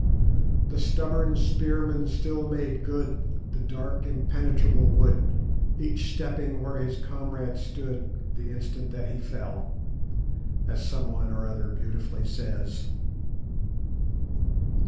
"The stubborn spearmen still made good The dark impenetrable wood, Each stepping where his comrade stood The instant that he fell," as someone or other beautifully says.